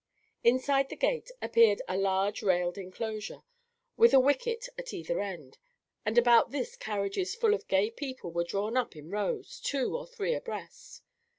Inside the gate appeared a large railed enclosure, with a wicket at either end; and about this carriages full of gay people were drawn up in rows, two or three abreast.